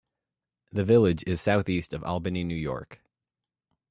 The village is southeast of Albany, New York.